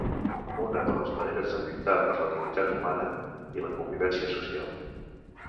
Una de les maneres de lluitar per la dignitat humana i la convivència social.